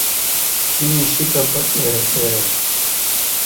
Yan eshekabámber mbere.